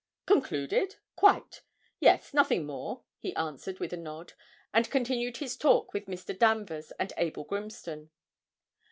'Concluded? Quite. Yes, nothing more,' he answered with a nod, and continued his talk with Mr. Danvers and Abel Grimston.